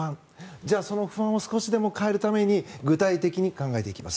じゃあその不安を少しでも変えるために具体的に考えていきます。